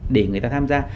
để người ta tham gia